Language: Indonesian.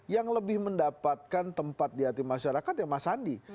yang lebih mendapatkan tempat di hati masyarakat ya mas andi